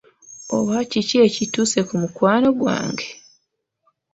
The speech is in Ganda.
Oba kiki ekituuse ku mukwano gwange?